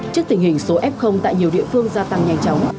trước tình hình số f tại nhiều địa phương gia tăng nhanh chóng